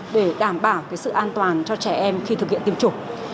để đảm bảo sự an toàn cho trẻ em khi thực hiện tiêm chủng